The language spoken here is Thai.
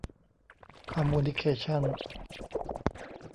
คอมมูนิเคชั่น